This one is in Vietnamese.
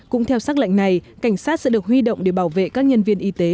cũng theo sắc lệnh này cảnh sát sẽ được huy động để bảo vệ các nhân viên y tế